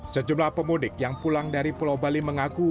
sejumlah pemudik yang pulang dari pulau bali mengaku